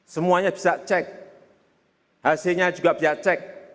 semuanya bisa cek hasilnya juga bisa cek